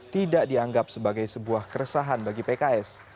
tidak dianggap sebagai sebuah keresahan bagi pks